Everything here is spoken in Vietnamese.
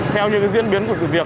theo như diễn biến của sự việc